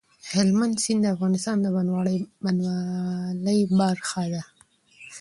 هلمند سیند د افغانستان د بڼوالۍ برخه ده.